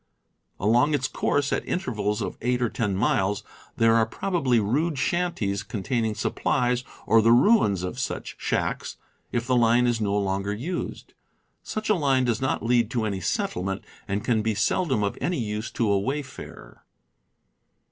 Along its coursie, at intervals of eight or ten miles, there are probably rude shanties containing supplies, or the ruins of such shacks, if the line is no longer used. Such a line does not lead to any settlement, and can seldom be of any use to a wayfarer.